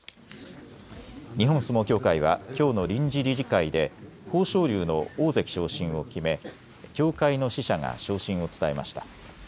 日本相撲協会はきょうの臨時理事会で豊昇龍の大関昇進を決め、協会の使者が昇進を伝えました。